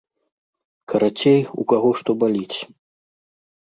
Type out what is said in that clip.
Карацей, у каго што баліць.